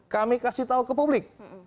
kami kasih tahu ke publik